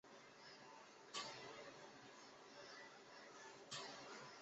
周日应该没问题，周六的话，时间会有点紧。